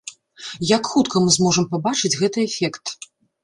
Як хутка мы зможам пабачыць гэты эфект?